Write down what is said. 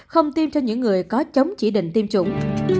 không tiêm cho những người có chống chỉ định tiêm chủng